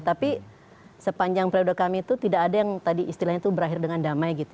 tapi sepanjang periode kami itu tidak ada yang tadi istilahnya itu berakhir dengan damai gitu